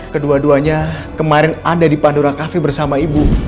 kedua duanya kemarin ada di pandora cafe bersama ibu